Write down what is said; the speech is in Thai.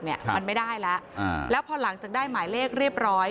มันไม่ได้แล้วแล้วพอหลังจากได้หมายเลขเรียบร้อย